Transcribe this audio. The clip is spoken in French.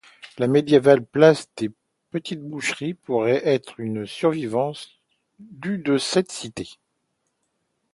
La médiévale place des Petites-Boucheries pourrait être une survivance du de cette cité.